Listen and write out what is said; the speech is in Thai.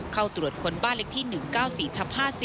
เข้าตรวจค้นบ้านเล็กที่๑๙๔ทับ๕๔